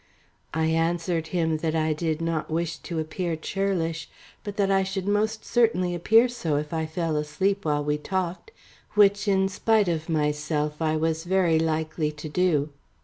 I answered him that I did not wish to appear churlish, but that I should most certainly appear so if I fell asleep while we talked, which, in spite of myself, I was very likely to do.